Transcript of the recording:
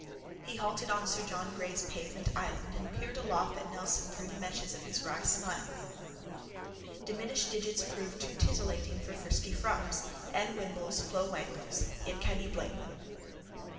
He halted on sir John Gray's pavement island and peered aloft at Nelson through the meshes of his wry smile. DIMINISHED DIGITS PROVE TOO TITILLATING FOR FRISKY FRUMPS. ANNE WIMBLES, FLO WANGLES—YET CAN YOU BLAME THEM?